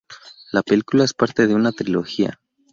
La película es parte de una trilogía.